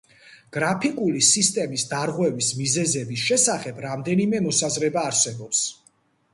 გრაფიკული სისტემის დარღვევის მიზეზების შესახებ რამდენიმე მოსაზრება არსებობს.